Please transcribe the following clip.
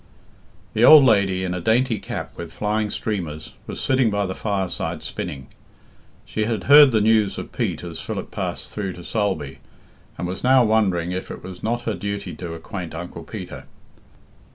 The old lady, in a dainty cap with flying streamers, was sitting by the fireside spinning. She had heard the news of Pete as Philip passed through to Sulby, and was now wondering if it was not her duty to acquaint Uncle Peter.